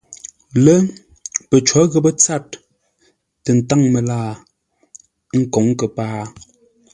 Lə́, pəcó ghəpə́ tsâr tə ntáŋ məlaa, ə́ nkǒŋ kəpaa.